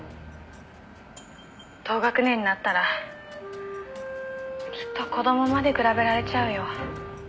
「同学年になったらきっと子供まで比べられちゃうよ」